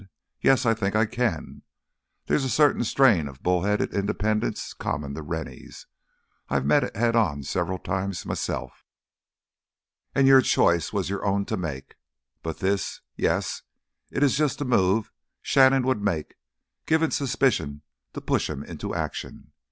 yes, I think I can. There's a certain strain of bull headed independence common to Rennies—I've met it head on several times myself. And your choice was your own to make. But this ... yes, it is just the move Shannon would make, given suspicion to push him into action.